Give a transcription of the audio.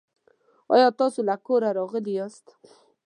آیا تاسو له کوره راغلي یاست؟